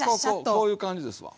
こういう感じですわ。